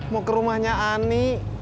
mau ke rumahnya ani